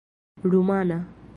rumana